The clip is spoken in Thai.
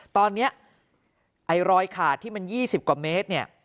ตอนนี้ไอ้รอยขาดที่มัน๒๐กว่าเมตรเนี่ย